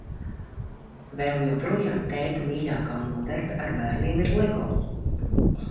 Vēl joprojām tēta mīļākā nodarbe ar bērniem ir lego.